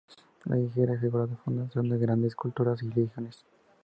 La higuera figura en la fundación de grandes culturas y religiones.